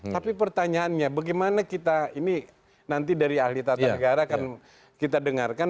tapi pertanyaannya bagaimana kita ini nanti dari ahli tata negara akan kita dengarkan